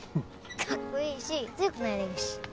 かっこいいし強くなれるし。